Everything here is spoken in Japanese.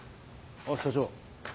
あっ社長。